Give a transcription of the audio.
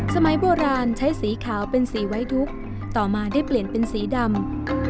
สมัยโบราณใช้สีขาวเป็นสีไว้ทุกข์ต่อมาได้เปลี่ยนเป็นสีดำ